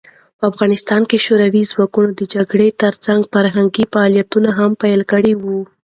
په افغانستان کې شوروي ځواکونه د جګړې ترڅنګ فرهنګي فعالیتونه هم پیل کړي وو.